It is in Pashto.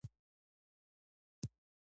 جواهرات د افغانستان د بشري فرهنګ برخه ده.